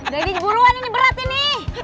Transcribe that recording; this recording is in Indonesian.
dari buruan ini berat ini